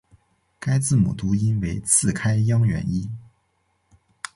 该字母读音为次开央元音。